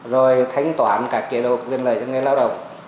rồi thánh toán các chế độ quyên lợi cho người lao động